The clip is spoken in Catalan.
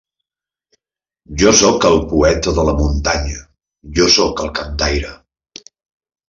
Jo sóc el poeta de la muntanya, jo sóc el cantaire.